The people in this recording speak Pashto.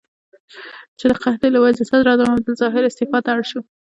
چې د قحطۍ له وجې صدراعظم عبدالظاهر استعفا ته اړ شو.